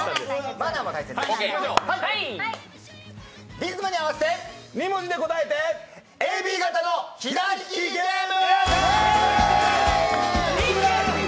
リズムに合わせて、２文字で答えてＡＢ型の左利きゲーム！